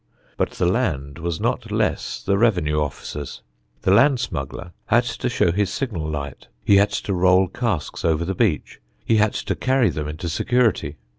But the land was not less the revenue officer's: the land smuggler had to show his signal light, he had to roll casks over the beach, he had to carry them into security.